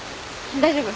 大丈夫。